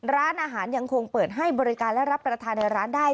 ร้านอาหารยังคงเปิดให้บริการและรับประทานในร้านได้